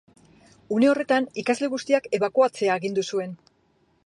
Une horretan, ikasle guztiak ebakuatzea agindu zuen.